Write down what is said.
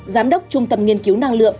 giám đốc trung tâm nghiên cứu năng lượng